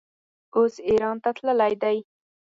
اوس ایران ته تللی دی.